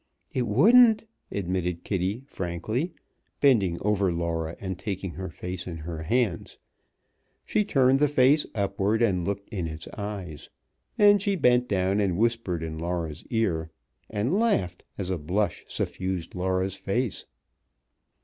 "It wouldn't," admitted Kitty, frankly, bending over Laura and taking her face in her hands. She turned the face upward and looked in its eyes. Then she bent down and whispered in Laura's ear, and laughed as a blush suffused Laura's face.